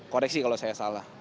koreksi kalau saya salah